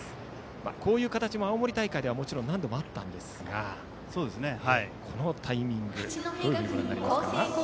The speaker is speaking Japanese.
こういう形は青森大会でも何度もあったんですがこのタイミングどうご覧になりますか。